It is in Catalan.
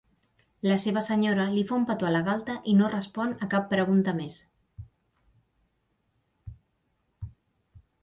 La seva senyora li fa un petó a la galta i no respon a cap pregunta més.